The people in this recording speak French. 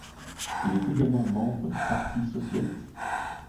Il est également membre du Parti socialiste.